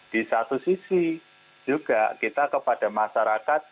di satu sisi juga kita kepada masyarakat